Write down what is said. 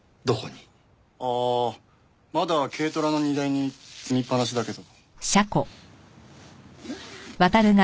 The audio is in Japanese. ああまだ軽トラの荷台に積みっぱなしだけど。